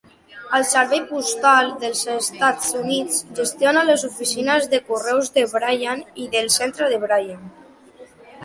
El Servei Postal dels Estats Units gestiona les oficines de correus de Bryan i del centre de Bryan.